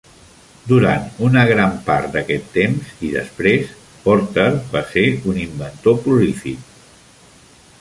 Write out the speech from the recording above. Durant una gran part d'aquest temps, i després, Porter va ser un inventor prolífic.